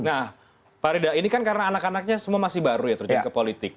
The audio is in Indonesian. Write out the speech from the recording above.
nah pak rida ini kan karena anak anaknya semua masih baru ya terjun ke politik